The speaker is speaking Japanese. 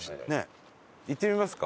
行ってみますか？